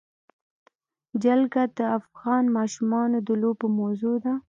جلګه د افغان ماشومانو د لوبو موضوع ده.